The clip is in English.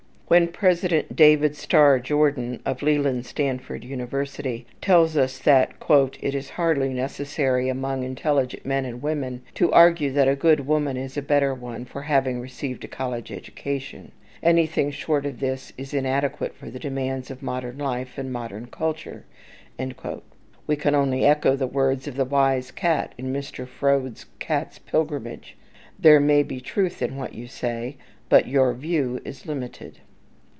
When President David Starr Jordan, of Leland Stanford University, tells us that "it is hardly necessary among intelligent men and women to argue that a good woman is a better one for having received a college education; anything short of this is inadequate for the demands of modern life and modern culture"; we can only echo the words of the wise cat in Mr. Froude's "Cat's Pilgrimage," "There may be truth in what you say, but your view is limited."